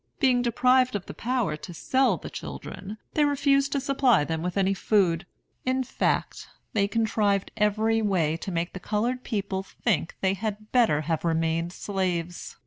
Being deprived of the power to sell the children, they refused to supply them with any food. In fact, they contrived every way to make the colored people think they had better have remained slaves.